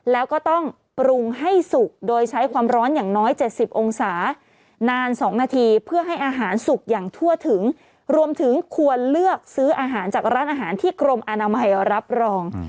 แล้วก็ต้องปรุงให้สุกโดยใช้ความร้อนอย่างน้อย๗๐องศานาน๒นาทีเพื่อให้อาหารสุกอย่างทั่วถึงรวมถึงควรเลือกซื้ออาหารจากร้านอาหารที่กรมอนามัยรับรอง